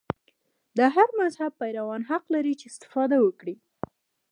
د هر مذهب پیروان حق لري چې استفاده وکړي.